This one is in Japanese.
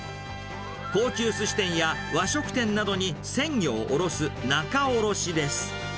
高級すし店や和食店などに鮮魚を降ろす仲卸です。